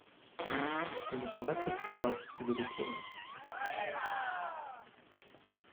Il ne s'en attriste pas: il est de pierre.